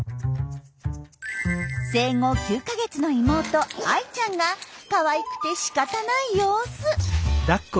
生後９か月の妹藍衣ちゃんがかわいくてしかたない様子。